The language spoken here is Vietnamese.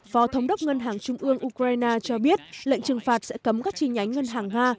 phó thống đốc ngân hàng trung ương ukraine cho biết lệnh trừng phạt sẽ cấm các chi nhánh ngân hàng nga